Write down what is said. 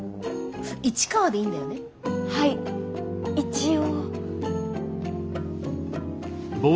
はい一応。